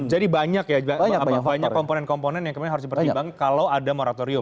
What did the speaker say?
jadi banyak ya banyak komponen komponen yang harus dipertimbangkan kalau ada moratorium